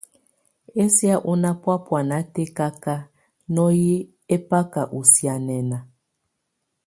Ɛsɛ̀á ɔ́ ná bɔ̀á bɔ̀ána tɛkaka, nɔyɛ ɛbaka ɔ̀ sianɛna.